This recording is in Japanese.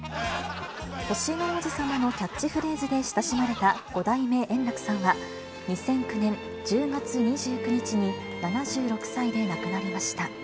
星の王子さまのキャッチフレーズで親しまれた五代目圓楽さんは、２００９年１０月２９日に７６歳で亡くなりました。